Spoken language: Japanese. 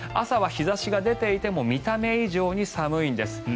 朝は日差しが出ていても見た目以上に寒いんです。